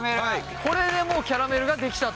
これでもうキャラメルが出来たと。